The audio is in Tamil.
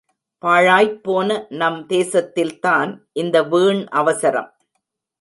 பாழாய்ப் போன நம் தேசத்தில் தான் இந்த வீண் அவசரம்.